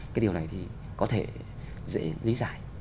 cái điều này thì có thể dễ lý giải